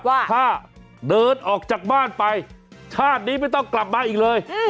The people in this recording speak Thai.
ว่าถ้าเดินออกจากบ้านไปชาตินี้ไม่ต้องกลับมาอีกเลย